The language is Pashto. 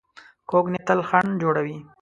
کوږ نیت تل خنډ جوړوي